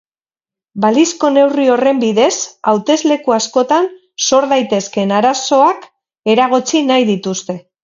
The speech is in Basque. Balizko neurri horren bidez, hautesleku askotan sor daitezkeen arazoak eragotzi nahi dituzte.